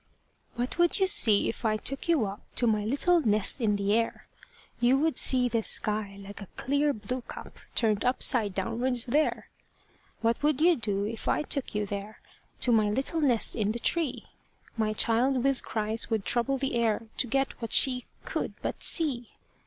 What would you see if I took you up To my little nest in the air? You would see the sky like a clear blue cup Turned upside downwards there. What would you do if I took you there To my little nest in the tree? My child with cries would trouble the air, To get what she could but see.